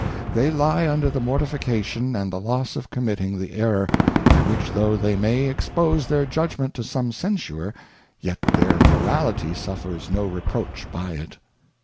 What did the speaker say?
They lie under the Mortification and the loss of committing the error, by which though they may expose their Judgment to some censure, yet their Morality suffers no reproach by it.